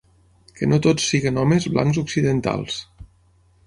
Que no tots siguin homes blancs occidentals.